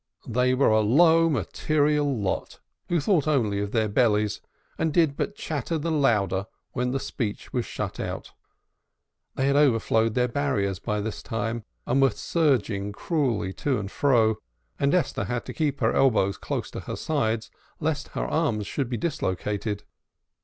They were a low material lot, who thought only of their bellies, and did but chatter the louder when the speech was shut out. They had overflowed their barriers by this time, and were surging cruelly to and fro, and Esther had to keep her elbows close to her sides lest her arms should be dislocated.